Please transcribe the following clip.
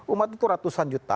umat itu ratusan juta